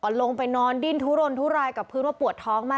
ลงไปนอนดิ้นทุรนทุรายกับพื้นว่าปวดท้องมาก